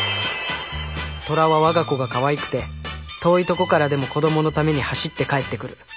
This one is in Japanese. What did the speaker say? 虎は我が子がかわいくて遠いとこからでも子どものために走って帰ってくる。